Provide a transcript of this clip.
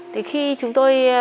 thì khi chúng tôi đến đây